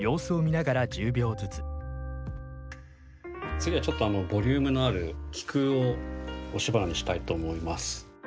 次はちょっとボリュームのあるキクを押し花にしたいと思います。